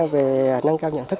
về nâng cao nhận thức